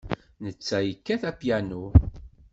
Netta yekkat apyanu.